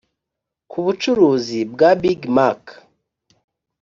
kubucuruzi bwa big mac